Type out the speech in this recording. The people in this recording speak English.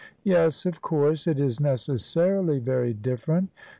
Yes, of course, it is necessarily very different.